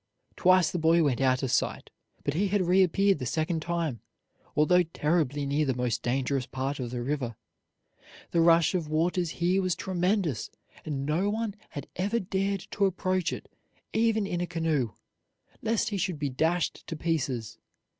Twice the boy went out of sight, but he had reappeared the second time, although terribly near the most dangerous part of the river. The rush of waters here was tremendous, and no one had ever dared to approach it, even in a canoe, lest he should be dashed to pieces.